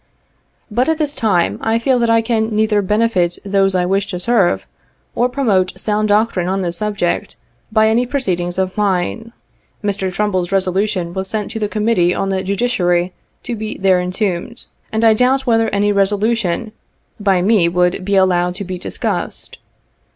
" But, at this time, I feel that I can neither benefit those I wish to serve, or promote sound doctrine on this subject, by any proceedings of mine. Mr. Trumbull's resolution was sent to the committee on the judiciary to be there entombed, and I doubt whether any resolu tion by me would be allowed to be discussed.